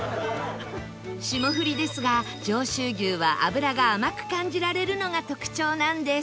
霜降りですが上州牛は脂が甘く感じられるのが特徴なんです